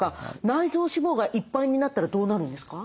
内臓脂肪がいっぱいになったらどうなるんですか？